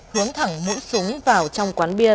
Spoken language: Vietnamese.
hướng thẳng mũi súng vào trong quán bia